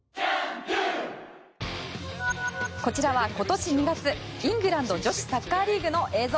こちらは今年２月イングランド女子サッカーリーグの映像。